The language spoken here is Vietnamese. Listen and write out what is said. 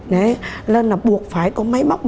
nên là buộc phải có máy móc